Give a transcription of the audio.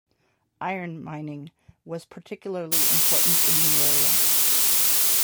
Iron mining was particularly important in the area.